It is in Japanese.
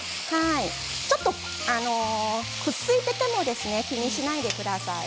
ちょっとくっついていても気にしないでください。